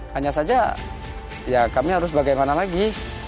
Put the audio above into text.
hanya saja ya kami harus bagaimana lagi